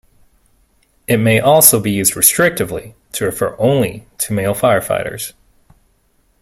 It may also be used restrictively to refer only to male firefighters.